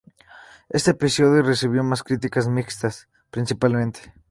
Este episodio recibió críticas mixtas, principalmente.